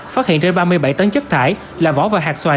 phát hiện trên ba mươi bảy tấn chất thải là vỏ và hạt xoài